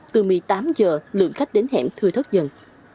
từ một mươi tám h lượng khách đến hẻm thừa thất dần